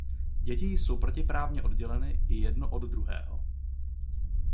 Děti jsou protiprávně odděleny i jedno od druhého.